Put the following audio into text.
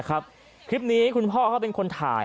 คลิปนี้คุณพ่อเขาเป็นคนถ่าย